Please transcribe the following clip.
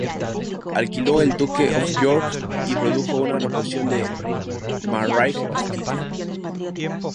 Alquiló el Duke of York y produjo una reposición de "The Marriage of Kitty".